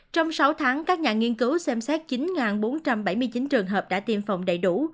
trong sáu tháng các nhà nghiên cứu xem xét chín bốn trăm bảy mươi chín trường hợp đã tiêm phòng đầy đủ